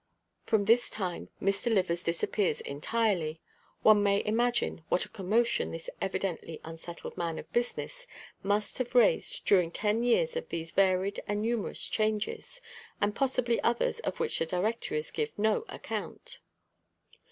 From this time Mr. Livers disappears entirely; one may imagine what a commotion this evidently unsettled man of business must have raised during ten years of these varied and numerous changes, and possibly others of which the Directories give no account.